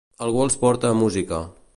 Algú els porta a música.